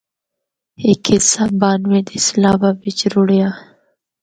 ہک حصہ بانوے دے سیلابا بچ رُڑیِّا۔